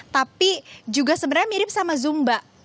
tapi juga sebenarnya mirip sama zumba